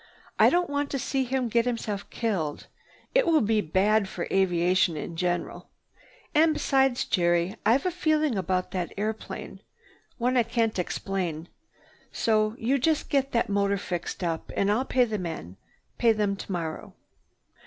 "I don't want to see him get himself killed. It will be bad for aviation in general. And besides, Jerry, I've a feeling about that airplane—one I can't explain. So you just get that motor fixed up, and I'll pay the men, pay them tomorrow."